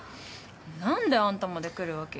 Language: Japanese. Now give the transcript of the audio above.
何であんたまで来るわけ？